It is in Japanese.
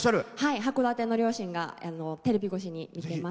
函館の両親がテレビ越しに見てます。